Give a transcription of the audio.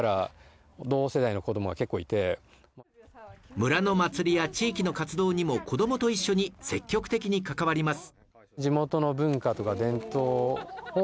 村の祭りや地域の活動にも子供と一緒に積極的に関わります。